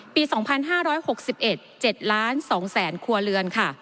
ปี๒๕๖๑๗๒๐๐๐๐๐ครัวเรือน